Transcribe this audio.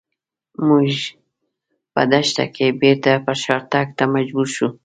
موږ په دښته کې بېرته پر شاتګ ته مجبور شوو.